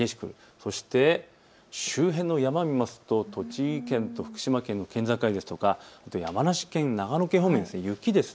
そして周辺の山を見ると栃木県と福島県の県境、山梨県、長野県方面、雪です。